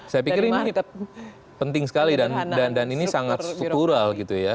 saya pikir ini penting sekali dan ini sangat struktural gitu ya